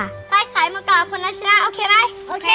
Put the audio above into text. ใครขายหมดก่อคนชนะโอเคมั้ย